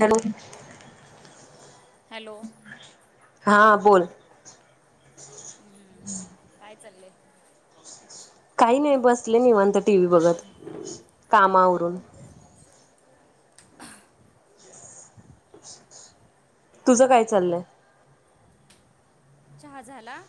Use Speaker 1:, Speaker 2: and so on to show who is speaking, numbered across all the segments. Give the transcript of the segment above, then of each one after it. Speaker 1: Hello
Speaker 2: hello
Speaker 1: हा बोल!
Speaker 2: काय चाललंय?
Speaker 1: काही नाही बसले निवांत टी व्ही बघत काम आवरून. तुझं काय चाललंय?
Speaker 2: चहा झाला.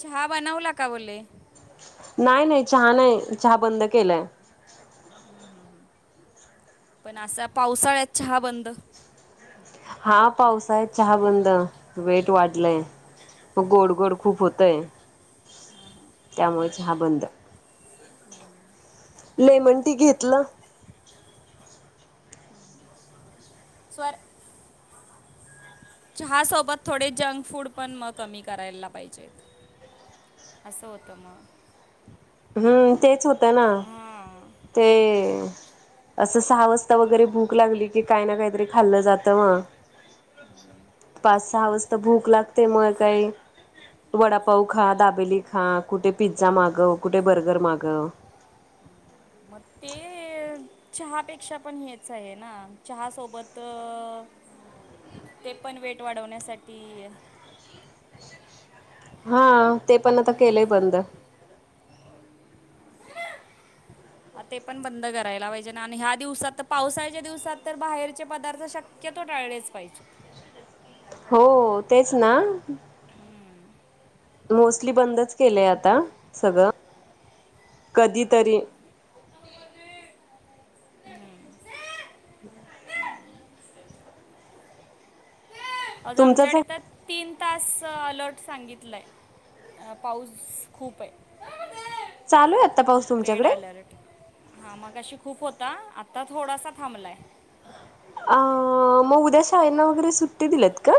Speaker 2: चहा बनवला का बोले?
Speaker 1: नाही नाही चहा नाही चहा बंद केलाय.
Speaker 2: हम् हम् हम्म, पण असा पावसाळ्यात चहा बंद?
Speaker 1: हा पावसाळ्यात चहा बंद वेट वाढलंय. गोड गोड खूप होतंय. त्यामुळे चहा बंद. लेमन टी घेतलं.
Speaker 2: स्वर. चहासोबत थोडे जंक फूड पण मग, कमी करायला पाहिजेत. असं होतं म.
Speaker 1: हम्म, तेच होतं ना.
Speaker 2: हां
Speaker 1: ते. असं सहा वाजता वगैरे भूक लागली की, काय ना काहीतरी खाल्लं जातं म. पाच, सहा वाजता भूक लागते. म काही वडापाऊ खा. दाबेली खा. कुठे पिझ्झा मागंव. कुठे बर्गर मागंव.
Speaker 2: म ते चहापेक्षा पण हेच आहे ना. चहा सोबत अ ते पण वेट वाढवण्यासाठी,
Speaker 1: हा ते पण आता केलंय
Speaker 2: हम्म,
Speaker 1: बंद.
Speaker 2: ते पण बंद करायला पाहिजे ना. आणि ह्या दिवसात त. पावसाळच्या दिवसात त. बाहेरचे पदार्थ शक्य तो टाळलेच पाहिजे.
Speaker 1: हो. तेच ना.
Speaker 2: हम्म.
Speaker 1: मोस्टली बंदच केलंय. आता सगळं. कधीतरी. हम् [unintelligible]
Speaker 2: आज
Speaker 1: तुमचाच
Speaker 2: आमच्याकडे त. तीन तास अलर्ट सांगितलंय. अ पाऊस खूपे.
Speaker 1: चालू आहे आता पाऊस
Speaker 2: रेड
Speaker 1: तुमच्याकडे
Speaker 2: अलर्ट. हा, मगाशी खूप होता. आता थोडासा थांबलाय.
Speaker 1: अ, म उद्या शाळेंना वगैरे सुट्टी दिल्यात का?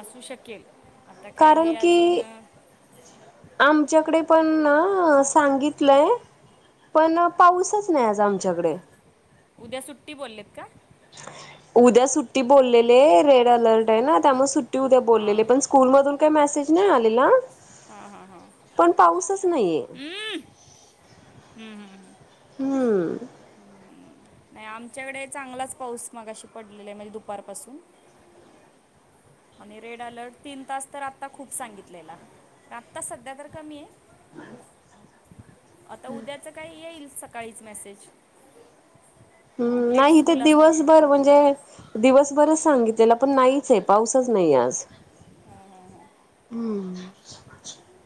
Speaker 2: असू शकेल. आता काय
Speaker 1: कारण
Speaker 2: हे अजून
Speaker 1: की आमच्याकडे पणा सांगितलंय. पण, पाऊसच नाही. आज आमच्याकडे.
Speaker 2: उद्या सुट्टी बोलेत का?
Speaker 1: उद्या सुट्टी बोललेले. रेड अलर्टे ना, त्यामुळे सुट्टी उद्या
Speaker 2: हां
Speaker 1: बोललेले. पण स्कूल मधून काही मेसेज नाही आलेला.
Speaker 2: हा, हा, हा.
Speaker 1: पण पाऊसच नाहीये
Speaker 2: अम्. हम्म, हम्म, हम्म.
Speaker 1: हम्म.
Speaker 2: नाही आमच्याकडे चांगलाच पाऊस मगाशी पडलेलाय. म्हणजे दुपारपासून. आणि रेड अलर्ट तीन तास तर आत्ता. खूप सांगितलेला. आत्ता सध्या तर कमीये.
Speaker 1: हम् [unintelligible]
Speaker 2: आता उद्याचं काही येईल. सकाळीच मेसेज.
Speaker 1: हम्म.
Speaker 2: लेट
Speaker 1: नाही इथे
Speaker 2: स्कूल असतात ना
Speaker 1: दिवसभर. म्हणजे दिवसभरच सांगितलेला. पण नाही चे. पाऊसच नाहीये आज्. हम्म.
Speaker 2: च ळ. [unintelligible]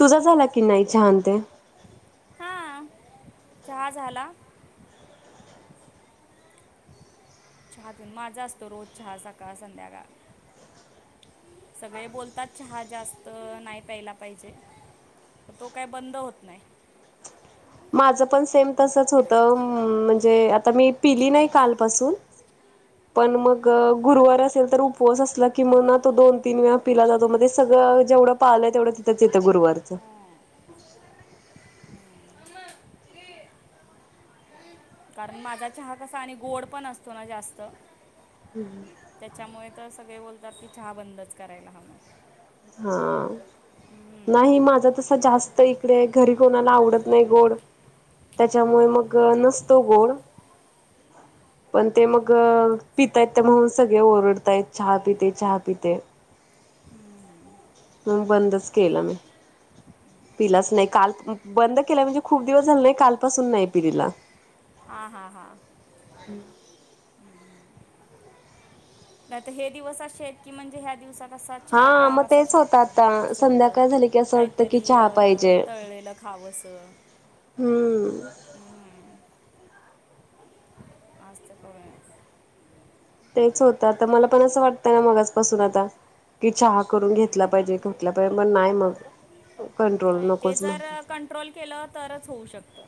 Speaker 1: तुझा झाला की, नाही. चहा ते.
Speaker 2: हा. चहा झाला. चहापीउन. माझा असतो रोज चहा. सकाळ संध्याकाळ. सगळे बोलतात. चहा जास्त नाही प्यायला पाहिजे. तो काय, बंद होत नाय.
Speaker 1: माझ पण सेम तसच
Speaker 2: ते
Speaker 1: होत. म्हणजे आता मी पिली नाही. कालपासून. पण मग गुरुवार असेल तर उपवास असला कि, म ना तो दोन तीन वेळा पिला जातो. म सगळं जेवढं पाळलंय तेवढं तथंच येतं. गुरुवार च.
Speaker 2: कारण माझा चहा कसा. आणि गोड पण असतो ना जास्त.
Speaker 1: हम्म हम्म.
Speaker 2: त्याच्यामुळे त. सगळे बोलतात की, चहा बंदच करायला हवा.
Speaker 1: हां. नाही, माझा तस जास्त इकडे, घरी कोणाला आवडत नाही गोड. त्याच्यामुळे मग नसत गोड.
Speaker 2: हा [inaudible]
Speaker 1: पण ते मग पितायेत त्या म्हणून सगळे ओरडतायत चहा पिते चहा पिते. मंग बंदच केलं मी. पिलाच नाही काल बंद केला म्हणजे, खूप दिवस झाला नाही काल पासून नाही पिलेला.
Speaker 2: आ हा हा. नाही त हे दिवस अशेत की म्हणजे ह्या दिवसात. तसा चहा
Speaker 1: हा मग
Speaker 2: प्यावासाच
Speaker 1: तेच होतं
Speaker 2: वाटतोय
Speaker 1: आता
Speaker 2: असं होतं
Speaker 1: संध्याकाळ झाली की असं वाटतं की
Speaker 2: काहीतरी
Speaker 1: चहा
Speaker 2: अ
Speaker 1: पाहिजे.
Speaker 2: तळलेलं. खावंसं.
Speaker 1: हम्म.
Speaker 2: आजत [unintelligible] कर
Speaker 1: तेच होतं तर मला पण असं वाटतं ना मगच. [unintelligible] पासून आता कि चहा करून घेतला पाहिजे घटला पाहिजे मण नाही मग. [unintelligible] कंट्रोल नकोच म्हण.
Speaker 2: ट्रोल केलं तरच होऊ शकतं.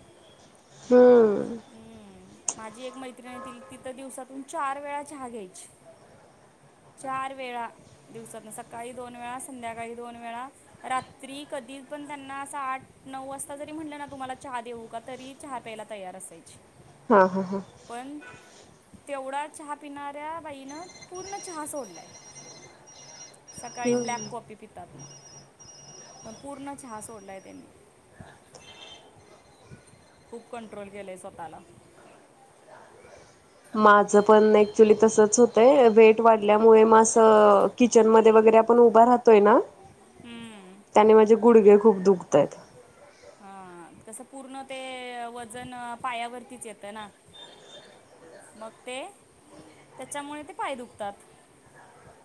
Speaker 1: हम्म.
Speaker 2: हम्म माझी एक मैत्रिणी तल तिथ दिवसातून चार वेळा चहा घ्यायची. चार वेळा दिवसातन सकाळी दोन वेळा संध्याकाळी दोन वेळा. रात्री कधी पण त्यांना असं आठ नऊ वाजता जरी म्हटलं ना, तुम्हाला चहा देऊ. का तरी चहा प्यायला तयार असायची.
Speaker 1: हा हा ह.
Speaker 2: पण तेवढा चहा पिणाऱ्या बाईनं पूर्ण चहा सोडलाय. सकाळी ब्लॅक कॉपी. पितात मग प पूर्ण छहा सोडला आहे त्यांनी. खूप कंट्रोल केलंय स्वतःला.
Speaker 1: माझं पण ऍक्च्युली तसंच होतंय वेट वाढल्यामुळे म किचन मध्ये वगैरे आपण उभं राहतोय ना.
Speaker 2: हम्म.
Speaker 1: त्याने माझे गुडघे खूप दुखतायत.
Speaker 2: हा तसं पूर्ण ते वजन पायावरतीच येतं ना. मग ते त्याच्यामुळे ते पाय दुखतात.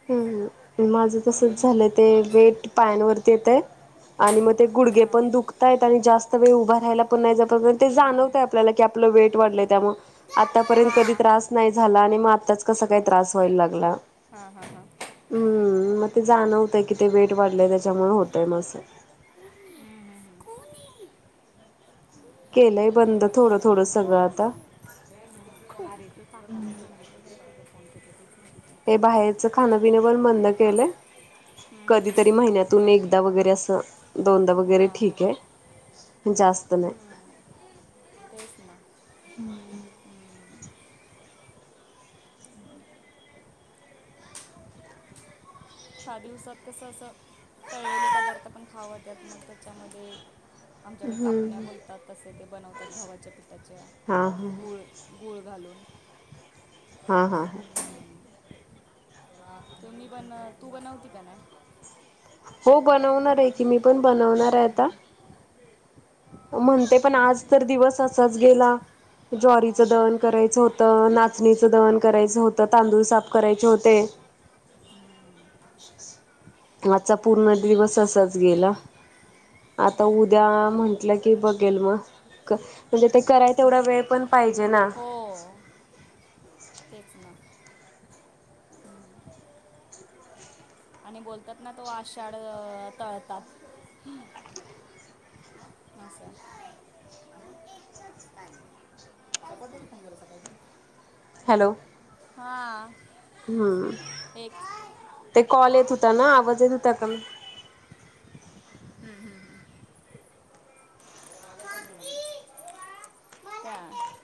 Speaker 1: हम्म. माझं तसच झालंय ते वेट पायांनवरती येतय आणि मग ते
Speaker 2: हां हां
Speaker 1: गुडगे पण दुख त्यात आणि जास्त वेळ उभा राहायला पण नाही जात ते जाणवतय आपल्याला की आपलं वेट वाढलंय त्यामुळे.
Speaker 2: हां
Speaker 1: आतापर्यंत कधी त्रास नाही झाला आणि म आत्ताच कसा काही त्रास व्हायला लागला.
Speaker 2: हा हा हा.
Speaker 1: हम्म म ते जाणवतंय कि ते वेट वाढलंय त्याच्यामुळे होतय म असं.
Speaker 2: हम्म हम्म हम्म. [unintelligible]
Speaker 1: केलंय बंद थोडं थोडं
Speaker 2: कोन
Speaker 1: सगळं
Speaker 2: हे
Speaker 1: आता
Speaker 2: [unintelligible] [unintelligible] कोन हे.
Speaker 1: ते बाहेरचं खाणपिण पण बंद केलंय कधीतरी महिन्यात. तुम्ही एकदा वगैरे असं दोनदा वगैरे
Speaker 2: हां
Speaker 1: ठीक
Speaker 2: हां
Speaker 1: हे जास्त नाही.
Speaker 2: तेचं ना.
Speaker 1: हम्म हम्म.
Speaker 2: हम्म. ह्या दिवसात कसं असं. तळलेले पदार्थ पण खावा त्यात मग त्याच्यामध्ये. [unintelligible] आमच्याकडे कापण्या बोलतात तसे ते बनवतात गव्हाच्या पिठाच्या
Speaker 1: हां हां
Speaker 2: गूळ गूळ घालून.
Speaker 1: हा हा हा.
Speaker 2: तुम्ही बनव तू बनवते का नाय?
Speaker 1: हो बनवणार आहे की मी पण बनवणार आहे आता. हो म्हणते पण आज तर दिवस असाच गेला ज्वारीच
Speaker 2: हां हां
Speaker 1: दळण करायचं हो त नाचणीचं दळण करायच होतं तांदूळ साफ करायचे होते. आजचा पूर्ण दिवस असाच गेला. आता उद्या म्हण टल की बघेल मग, म्हणजे ते कराय तेवढा वेळ पण पाहिजे ना.
Speaker 2: हो तेच ना! आणि बोलतात ना तो आषाढ तळतात. म असाय. आता तरी सांगाल सकाळच.
Speaker 1: हॅलो! हम्म
Speaker 2: एक हम्म,
Speaker 1: ते कॉल येत होता ना. आवाज येत होता का?
Speaker 2: हम् हम्म! काकी मला दे.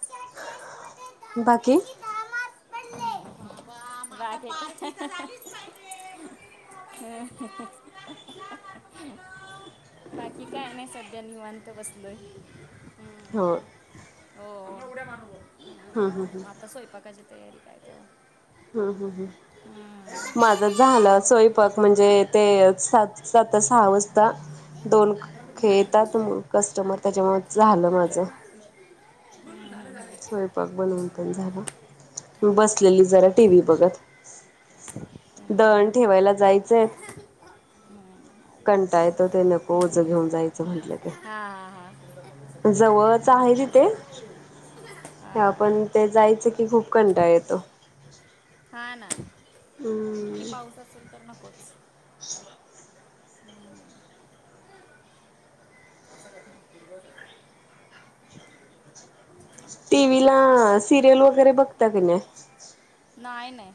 Speaker 2: टेस्ट मध्ये
Speaker 1: बाकी?
Speaker 2: दहा मार्क्स पडले. पार्टी तर झालीच पाहिजे. [unintelligible] बाकी काय नाही सध्या निवांत बसलोय.
Speaker 1: हो!
Speaker 2: हो!
Speaker 1: हा हा हां!
Speaker 2: आता स्वयंपाकची तयारी काय तर
Speaker 1: हम् हम् ह् माझ झाला स्वयपाक म्हणजे ते सात सात सहा वाजता दोन खेळतात म कस्टमर त्याच्यामुळे झालं माझ.
Speaker 2: [inaudible]
Speaker 1: स्वयंपाक बनवून पण
Speaker 2: हम्म.
Speaker 1: झाला मग बसलेली जरा. टी वही बघत
Speaker 2: हम्म, हम्म,
Speaker 1: दळण
Speaker 2: हम्म.
Speaker 1: ठेवायला जायचंय आहे.
Speaker 2: हम्म.
Speaker 1: कंटाळा येतो ते नको ओझं
Speaker 2: हम्म.
Speaker 1: घेऊन जायचं म्हटलं की.
Speaker 2: हा हा हा
Speaker 1: जवळच
Speaker 2: हम्म!
Speaker 1: हा पण ते जायचं की खूप कंटाळा येतो.
Speaker 2: हा ना!
Speaker 1: हम्म!
Speaker 2: आणि पाऊस असेल तर नकोच.
Speaker 1: [inaudible]
Speaker 2: हम्म! [unintelligible]
Speaker 1: टीव्ही ला सिरियल वगैरे बघता की नाय?
Speaker 2: नाय नाय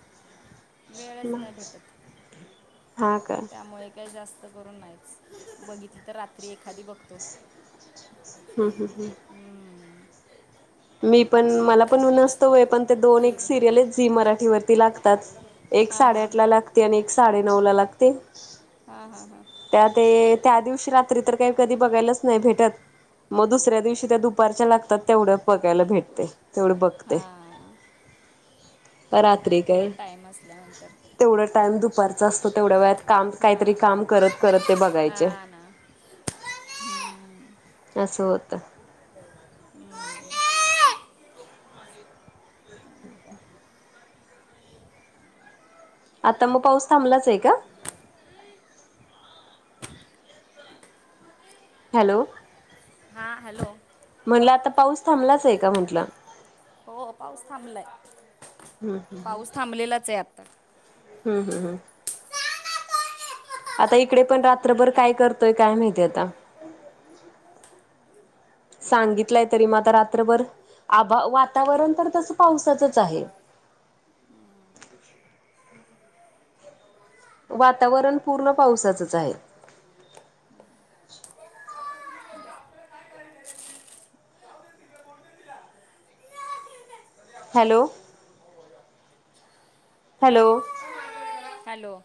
Speaker 2: वेळच नाही भेटत
Speaker 1: हा का हम्म
Speaker 2: त्यामुळे काय जास्त करून नाहीच बघितलं तर रात्री एखादी बघतो.
Speaker 1: हम् हम् हम्!
Speaker 2: हम्म,
Speaker 1: मी पण
Speaker 2: नाही
Speaker 1: मला
Speaker 2: तर
Speaker 1: पण
Speaker 2: नाहीच
Speaker 1: नसतो वेळ पण दोन
Speaker 2: ठीक
Speaker 1: एक
Speaker 2: आहे.
Speaker 1: सिरियल झी मराठीवरती लागतात एक
Speaker 2: हां
Speaker 1: साडे
Speaker 2: हां
Speaker 1: आठ ला लाग ती आणि एक साडे नऊ ला लागती.
Speaker 2: हा हा हा!
Speaker 1: त्या ते त्या दिवशी रात्री तर काही कधी बघायलाच नाही भेटत. मग दुसऱ्या दिवशी त्या दुपारच्या लागतात तेवढ्या बघायला भेटतय.
Speaker 2: हा!
Speaker 1: रात्री काय
Speaker 2: टाईम असल्यानंतर
Speaker 1: तेवढा टाइम दुपार असतो. तेवढ्या वेळात काम, काहीतरी काम करत करत ते बघायचे.
Speaker 2: ह ना. [inaudible] हम्म. [inaudible]
Speaker 1: अस होत.
Speaker 2: हम् [unintelligible] अ का. [unintelligible]
Speaker 1: आता म पाऊस थांबलाचे का? हॅलो.
Speaker 2: हां हॅलो.
Speaker 1: म्हटलं आता पाऊस थांबलाचे का? म्हंटलं.
Speaker 2: हो पाऊस थांबलाय. पाऊस थांबलेलाचे आता.
Speaker 1: हम्म, हम्म, हम्म. आता इकडे पण रात्रभर काय करतोय, काय माहिती आता. सांगितलंय तरी म आता रात्रभर. आभा वातावरण तर तसं पावसाचंच आहे. वातावरण पूर्ण पावसाचंच आहे. हॅलो. हॅलो.
Speaker 2: हॅलो.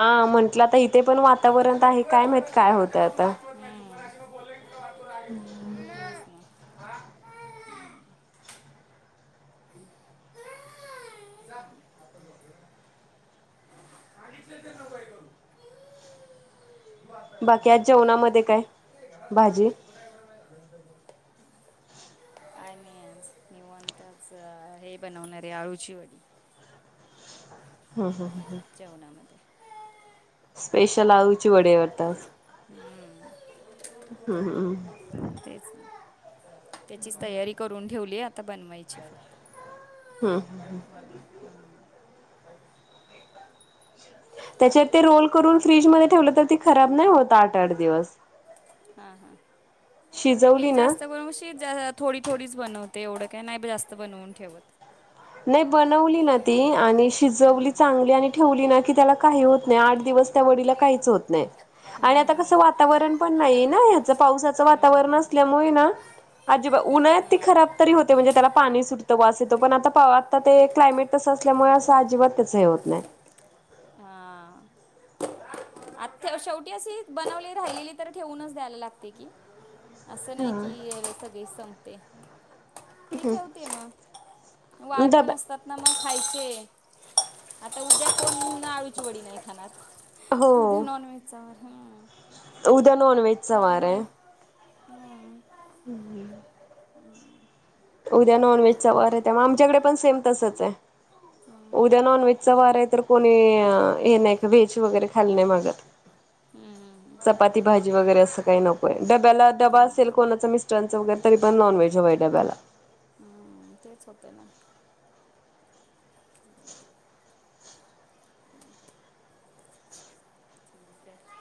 Speaker 1: हा म्हंटलं आता इथे पण वातावरण त आहे. काय माहित काय होतंय आता.
Speaker 2: हम्म, तेच ना. [inaudible] सांगितलं तर नको हे करू तू आता
Speaker 1: बाकी आज
Speaker 2: ते
Speaker 1: जेवणामध्ये काय?
Speaker 2: घरात
Speaker 1: भाजी.
Speaker 2: [inaudible] [unintelligible] काय नाही आज निवांत. त्याच हे बनवणारे. आळूची वडी.
Speaker 1: ह, ह, ह, ह.
Speaker 2: जेवणामध्ये.
Speaker 1: स्पेशल आळूची वडीय वाटत आज.
Speaker 2: हम्म,
Speaker 1: हम्मम्म.
Speaker 2: तेच. [unintelligible] त्याचीच तयारी करून ठेवलीय. आता बनवायची फक्त.
Speaker 1: हम्म.
Speaker 2: हम्म,
Speaker 1: त्याचे ते रोल करून फ्रीजमध्ये ठेवलं. त ते खराब नाही होत. आठ आठ दिवस.
Speaker 2: हां हां. नाही
Speaker 1: शिजवली
Speaker 2: मी
Speaker 1: ना
Speaker 2: जास्त करून शीत. थोडी थोडीच बनवते. एवढं काय नाही. जास्त बनवून ठेवत.
Speaker 1: नाही बनवली ना ती.
Speaker 2: हम्म,
Speaker 1: आणि शिजवली
Speaker 2: हम्म,
Speaker 1: चांगली. आणि ठेवली ना की, त्याला काही होत नाही. आठ दिवस त्या वडीला काहीच होत नाही. आणि
Speaker 2: हम्म,
Speaker 1: आता कसं,
Speaker 2: हम्म,
Speaker 1: वातावरण पण नाही ना. ह्याचं पावसाचं वातावरण
Speaker 2: हम्म.
Speaker 1: असल्यामुळे ना, अजीबा उन्हळत ती
Speaker 2: हा
Speaker 1: खराब तरी होते. म्हणजे त्याला पाणी सुटतं वास येतो. पण आता पाव आता ते क्लायमेट तसं असल्यामुळे. असं अजिबात त्याच हे होत नाय.
Speaker 2: हा. आता शेवटी अशी, बनवली राहिलेली तर ठेवूनच द्यायला लागते की. असं नाही
Speaker 1: हा.
Speaker 2: की, सगळी संपते. ती ठेवते म वार पण
Speaker 1: डब्या
Speaker 2: असतात ना म खायचे. आता उद्या कोन आळूची वडी नाही खानार. उद्या
Speaker 1: हो
Speaker 2: नॉन व्हेजचा वार. हम्म.
Speaker 1: उद्या नॉन वेजचा वारे.
Speaker 2: त्यामुळे हम्म.
Speaker 1: हम् [unintelligible]
Speaker 2: हम्म.
Speaker 1: उद्या नॉन व्हेजचा वरे. त्या, आमच्याकडे पण सेम तसचे. उद्या नाॉन व्हेज चा वारे तर कोणी हे नाही का? व्हेज वगैरे खायला नाही मागत.
Speaker 2: हम्म हम्म
Speaker 1: चपाती, भाजी वगैरे असं. काही नको डब्याला, डबा असेल कोणाचं मिस्टरांचं वगैरे तरी पण नॉनव्हेज हवाय डब्याला.
Speaker 2: हम्म तेच होतं ना. ओके.